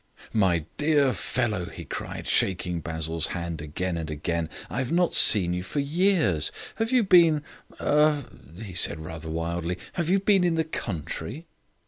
"My dear fellow," he cried, shaking Basil's hand again and again, "I have not seen you for years. Have you been er " he said, rather wildly, "have you been in the country?"